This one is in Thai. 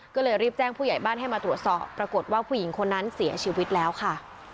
ก็เลยรีบแจ้งผู้ใหญ่บ้านให้มาตรวจสอบปรากฏว่าผู้หญิงคนนั้นเสียชีวิตแล้วค่ะ